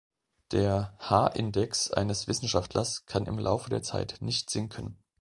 Der "h"-Index eines Wissenschaftlers kann im Laufe der Zeit nicht sinken.